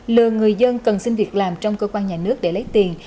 lừa người dân cần xin việc làm trong cơ quan nhà nước để lấy tiền